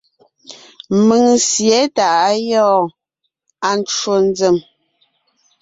Mèŋ sǐe tà á gyɔ́ɔn; À ncwò nzèm.